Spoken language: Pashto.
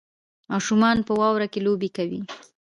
ماشومان په واورو کې لوبې کوي